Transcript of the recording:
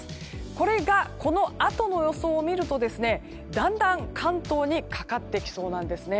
これが、このあとの予想を見るとだんだん関東にかかってきそうなんですね。